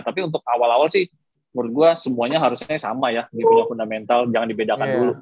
tapi untuk awal awal sih menurut gue semuanya harusnya sama ya di pulau fundamental jangan dibedakan dulu